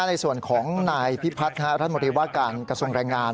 ถ้าในส่วนของนายพิพัทธ์รัฐมดีวาการกศรงแรงงาน